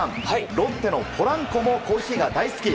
ロッテのポランコもコーヒーが大好き。